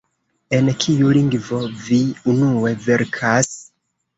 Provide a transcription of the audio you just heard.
En kiu lingvo vi unue verkas?